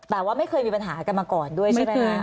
แต่ว่าไม่เคยมีปัญหากันมาก่อนด้วยใช่ไหมคะ